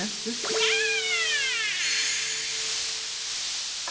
ニャア！